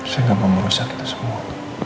saya nggak mau merusak itu semua